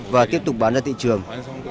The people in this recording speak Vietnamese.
và tiếp tục bán ra thị trường